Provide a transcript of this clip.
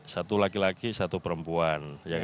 satu laki laki satu perempuan